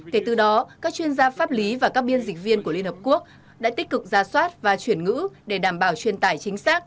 kể từ đó các chuyên gia pháp lý và các biên dịch viên của liên hợp quốc đã tích cực ra soát và chuyển ngữ để đảm bảo truyền tải chính xác